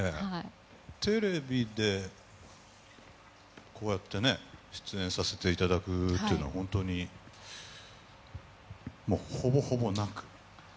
テレビでこうやってね出演させていただくというのは本当に、ほぼほぼなく。